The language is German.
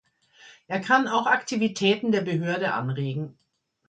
Er kann auch Aktivitäten der Behörde anregen.